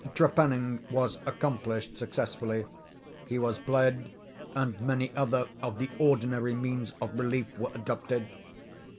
Trepanning was accomplished successfully. He was bled, and many other of the ordinary means of relief were adopted.